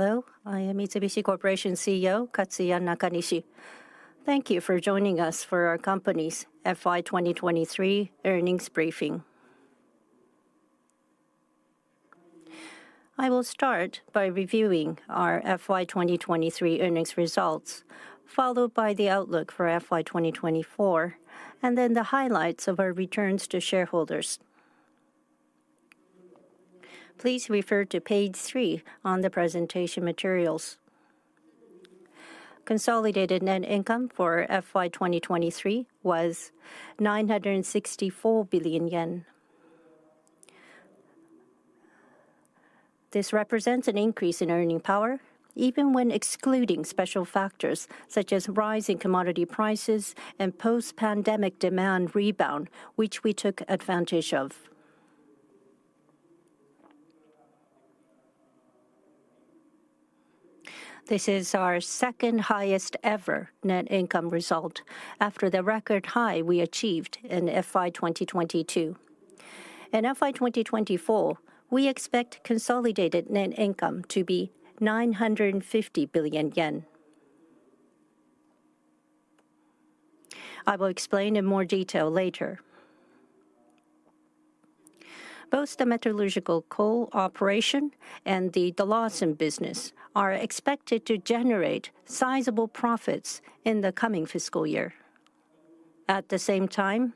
Hello, I am Mitsubishi Corporation CEO Katsuya Nakanishi. Thank you for joining us for our company's FY 2023 earnings briefing. I will start by reviewing our FY 2023 earnings results, followed by the outlook for FY 2024, then the highlights of our returns to shareholders. Please refer to page three on the presentation materials. Consolidated net income for FY 2023 was JPY 964 billion. This represents an increase in earning power, even when excluding special factors such as rising commodity prices and post-pandemic demand rebound, which we took advantage of. This is our second highest ever net income result after the record high we achieved in FY 2022. In FY 2024, we expect consolidated net income to be 950 billion yen. I will explain in more detail later. Both the metallurgical coal operation and the Lawson business are expected to generate sizable profits in the coming fiscal year. At the same time,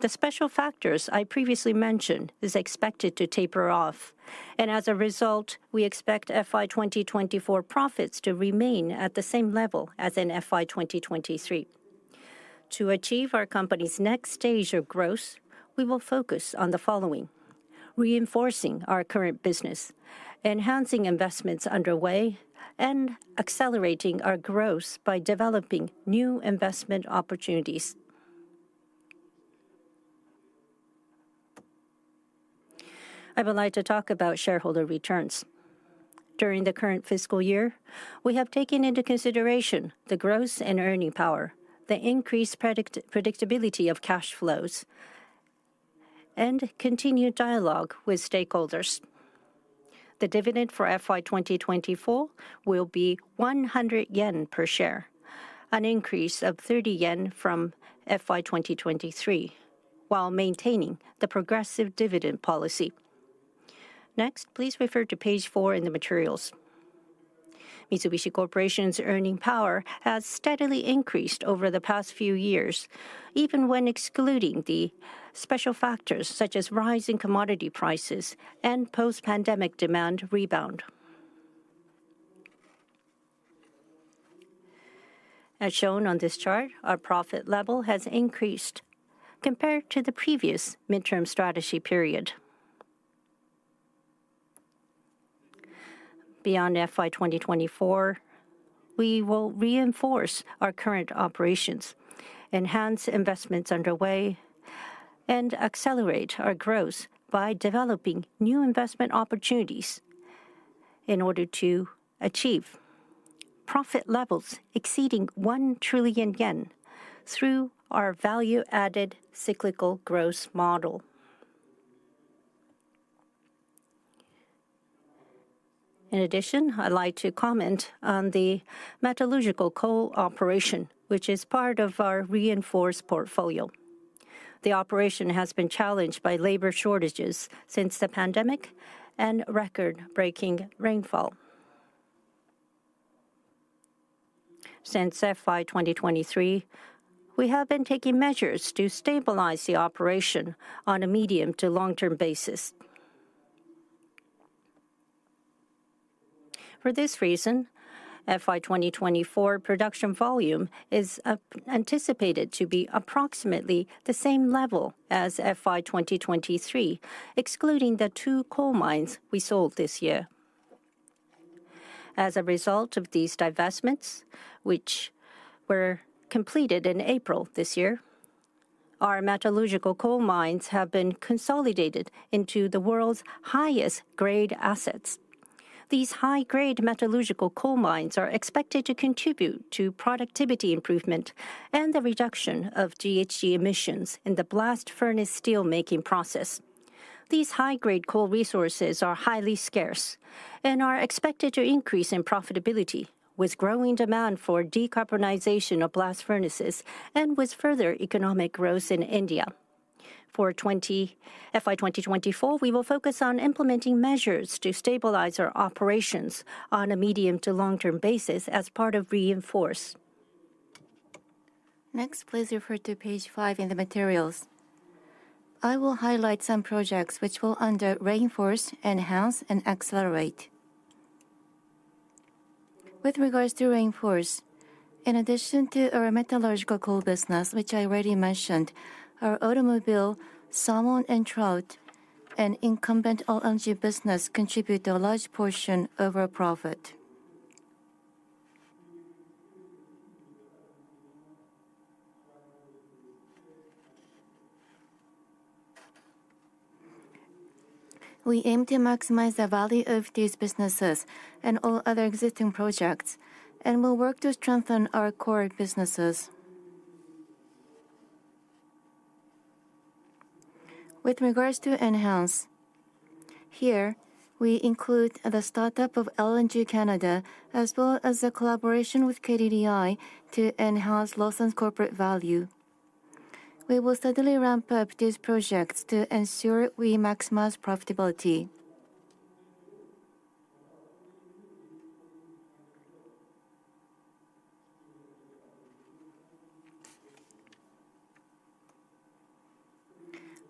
the special factors I previously mentioned is expected to taper off, as a result, we expect FY 2024 profits to remain at the same level as in FY 2023. To achieve our company's next stage of growth, we will focus on the following. Reinforcing our current business, enhancing investments underway, and accelerating our growth by developing new investment opportunities. I would like to talk about shareholder returns. During the current fiscal year, we have taken into consideration the growth and earning power, the increased predictability of cash flows, and continued dialogue with stakeholders. The dividend for FY 2024 will be 100 yen per share, an increase of 30 yen from FY 2023, while maintaining the progressive dividend policy. Please refer to page four in the materials. Mitsubishi Corporation's earning power has steadily increased over the past few years, even when excluding the special factors such as rising commodity prices and post-pandemic demand rebound. As shown on this chart, our profit level has increased compared to the previous midterm strategy period. Beyond FY 2024, we will reinforce our current operations, enhance investments underway, and accelerate our growth by developing new investment opportunities in order to achieve profit levels exceeding 1 trillion yen through our Value-Added Cyclical Growth Model. I'd like to comment on the metallurgical coal operation, which is part of our reinforced portfolio. The operation has been challenged by labor shortages since the pandemic and record-breaking rainfall. Since FY 2023, we have been taking measures to stabilize the operation on a medium to long-term basis. For this reason, FY 2024 production volume is anticipated to be approximately the same level as FY 2023, excluding the two coal mines we sold this year. As a result of these divestments, which were completed in April this year, our metallurgical coal mines have been consolidated into the world's highest grade assets. These high-grade metallurgical coal mines are expected to contribute to productivity improvement and the reduction of GHG emissions in the blast furnace steelmaking process. These high-grade coal resources are highly scarce and are expected to increase in profitability with growing demand for decarbonization of blast furnaces and with further economic growth in India. For FY 2024, we will focus on implementing measures to stabilize our operations on a medium to long-term basis as part of reinforce. Please refer to page five in the materials. I will highlight some projects which will under reinforce, enhance, and accelerate. With regards to reinforce, in addition to our metallurgical coal business, which I already mentioned, our automobile, salmon and trout, and incumbent LNG business contribute a large portion of our profit. We aim to maximize the value of these businesses and all other existing projects and will work to strengthen our core businesses. With regards to enhance. Here, we include the startup of LNG Canada, as well as the collaboration with KDDI to enhance Lawson's corporate value. We will steadily ramp up these projects to ensure we maximize profitability.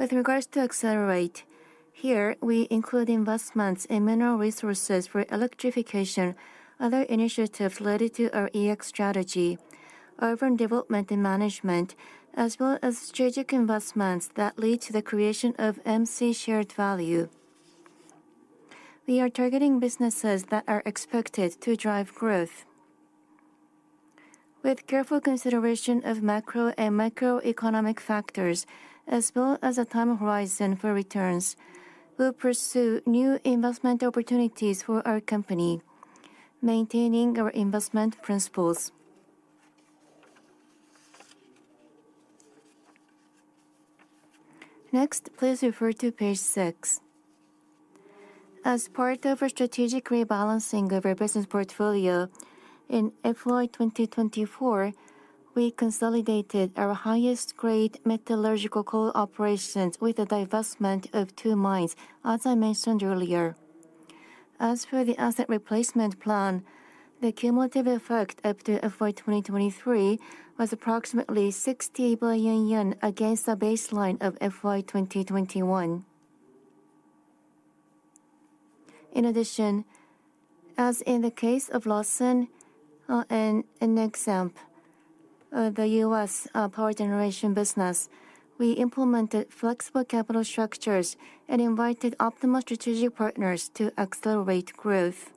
With regards to accelerate. Here, we include investments in mineral resources for electrification, other initiatives related to our EX strategy, urban development and management, as well as strategic investments that lead to the creation of MC Shared Value. We are targeting businesses that are expected to drive growth. With careful consideration of macro and microeconomic factors, as well as the time horizon for returns, we'll pursue new investment opportunities for our company, maintaining our investment principles. Next, please refer to page six. As part of our strategic rebalancing of our business portfolio in FY2024, we consolidated our highest grade metallurgical coal operations with a divestment of two mines, as I mentioned earlier. For the asset replacement plan, the cumulative effect up to FY2023 was approximately 60 billion yen against a baseline of FY2021. As in the case of Lawson, and Nexamp, the U.S. power generation business, we implemented flexible capital structures and invited optimal strategic partners to accelerate growth.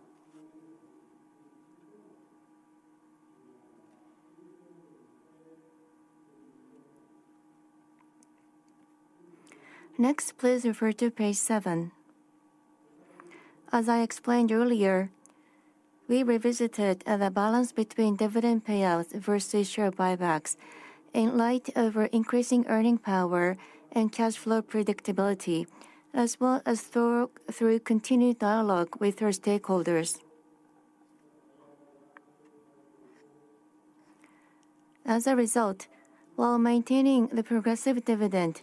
Next, please refer to page seven. As I explained earlier, we revisited the balance between dividend payouts versus share buybacks in light of our increasing earning power and cash flow predictability, as well as through continued dialogue with our stakeholders. While maintaining the progressive dividend,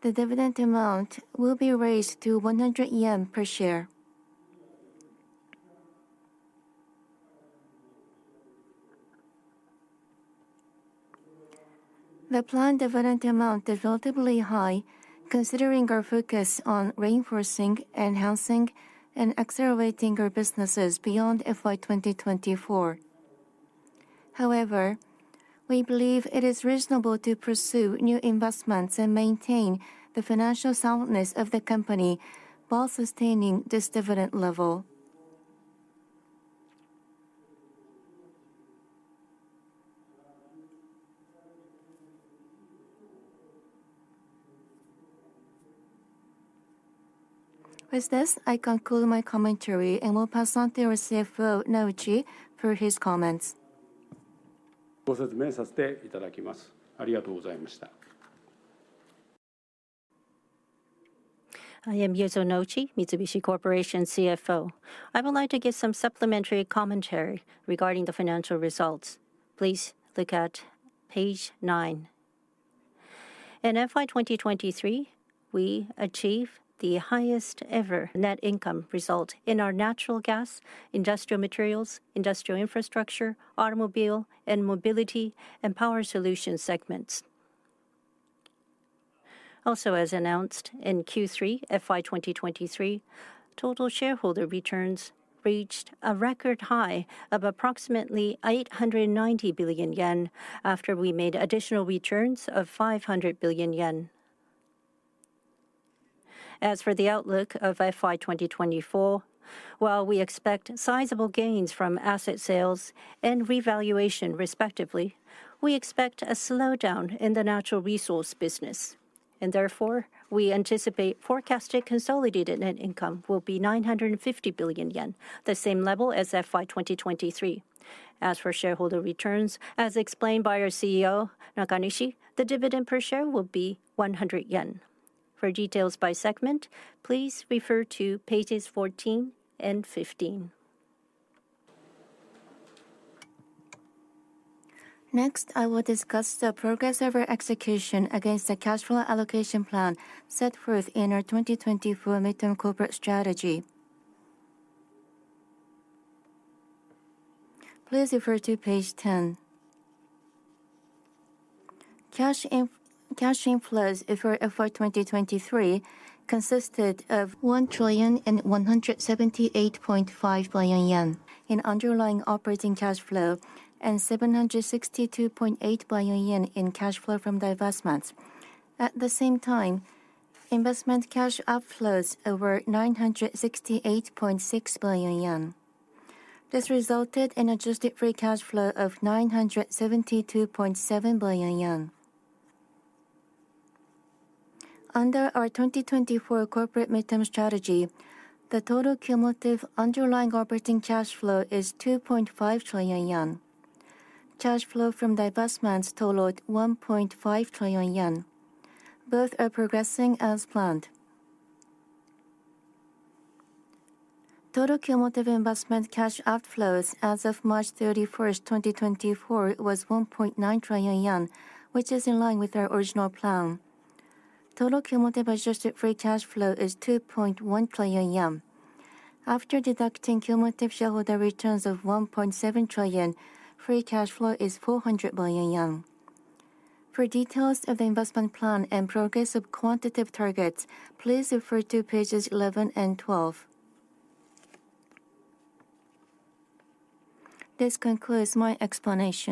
the dividend amount will be raised to 100 yen per share. The planned dividend amount is relatively high considering our focus on reinforcing, enhancing, and accelerating our businesses beyond FY2024. We believe it is reasonable to pursue new investments and maintain the financial soundness of the company while sustaining this dividend level. With this, I conclude my commentary and will pass on to our CFO, Noji, for his comments. I am Yuzo Nouchi, Mitsubishi Corporation CFO. I would like to give some supplementary commentary regarding the financial results. Please look at page nine. In FY 2023, we achieved the highest ever net income result in our Natural Gas, Industrial Materials, Industrial Infrastructure, Automotive & Mobility, and Power Solution segments. Also, as announced in Q3 FY 2023, total shareholder returns reached a record high of approximately 890 billion yen after we made additional returns of 500 billion yen. As for the outlook of FY 2024, while we expect sizable gains from asset sales and revaluation respectively, we expect a slowdown in the natural resource business. Therefore, we anticipate forecasted consolidated net income will be 950 billion yen, the same level as FY 2023. As for shareholder returns, as explained by our CEO, Nakanishi, the dividend per share will be 100 yen. For details by segment, please refer to pages 14 and 15. Next, I will discuss the progress of our execution against the cash flow allocation plan set forth in our Midterm Corporate Strategy 2024. Please refer to page 10. Cash inflows for FY 2023 consisted of 1,178.5 billion yen in underlying operating cash flow and 762.8 billion yen in cash flow from divestments. At the same time, investment cash outflows were 968.6 billion yen. This resulted in adjusted free cash flow of 972.7 billion yen. Under our Midterm Corporate Strategy 2024, the total cumulative underlying operating cash flow is 2.5 trillion yen. Cash flow from divestments totaled 1.5 trillion yen. Both are progressing as planned. Total cumulative investment cash outflows as of March 31st, 2024 was 1.9 trillion yen, which is in line with our original plan. Total cumulative adjusted free cash flow is 2.1 trillion yen. After deducting cumulative shareholder returns of 1.7 trillion, free cash flow is 400 billion yen. For details of investment plan and progress of quantitative targets, please refer to pages 11 and 12. This concludes my explanation.